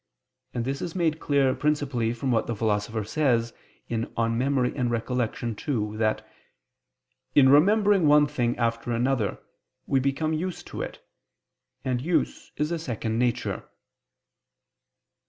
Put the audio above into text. And this is made clear principally from what the Philosopher says (De Memoria ii), that "in remembering one thing after another, we become used to it; and use is a second nature."